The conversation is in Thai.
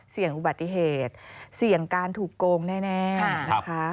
เสี่ยงอุบัติเหตุเสี่ยงการถูกโกงแน่นะคะ